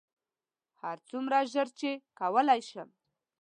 هرڅومره ژر چې کولی شم.